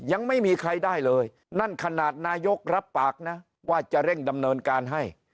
ยังไม่มีใครได้เลยนั่นขนาดนายกรับปากนะว่าจะเร่งดำเนินการให้